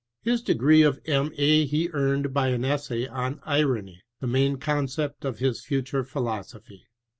His de gree of M. A. he earned by an essay On Irony, the main concept of his future philosophy.